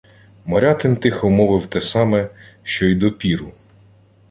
Морятин тихо мовив те саме, що й допіру: